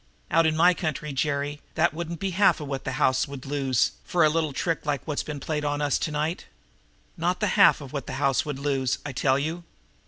Out in my country, Jerry, that wouldn't be half of what the house would lose for a little trick like what's been played on us tonight. Not the half of what the house would lose, I tell you!